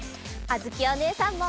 あづきおねえさんも！